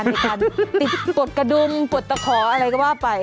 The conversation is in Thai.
ในการปลดกระดุมปลดตะขออะไรก็ว่าไป